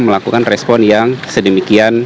melakukan respon yang sedemikian